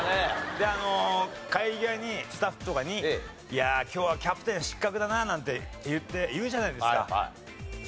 であの帰り際にスタッフとかにいやあ今日はキャプテン失格だななんて言って言うじゃないですか。